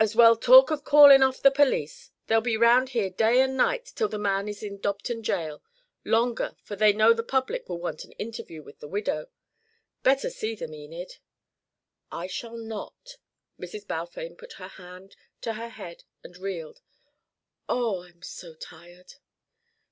"As well talk of calling off the police. They'll be round here day and night till the man is in Dobton jail longer, for they know the public will want an interview with the widow. Better see them, Enid." "I shall not." Mrs. Balfame put her hand to her head and reeled. "Oh, I am so tired!